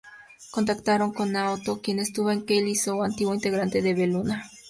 Contactaron con Naoto, quien estuvo en Keil, y Sou, antiguo integrante de Be≒Luna.